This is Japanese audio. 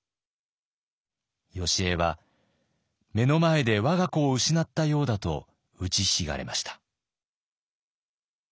よしえは目の前でわが子を失ったようだと打ちひしがれました。